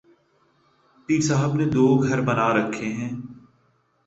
پیر صاحب نے دوگھر بنا رکھے ہیں۔